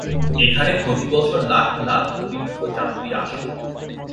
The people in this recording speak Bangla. এখানে প্রতিবছর লাখ লাখ তীর্থযাত্রী আসে।